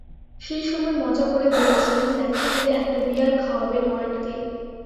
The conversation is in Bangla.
সেই সময় মজা করে বলেছিলেন, দেখা হলে একটা বিয়ার খাওয়াবেন ওয়ার্নকে।